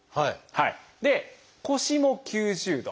で腰も９０度。